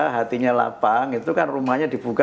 hatinya lapang itu kan rumahnya dibuka